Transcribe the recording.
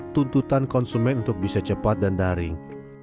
tuntutan konsumen untuk bisa cepat dan daring